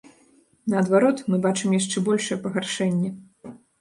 Наадварот, мы бачым яшчэ большае пагаршэнне.